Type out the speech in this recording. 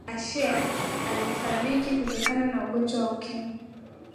ashe alifariki kutokana na ugonjwa wa ukimwi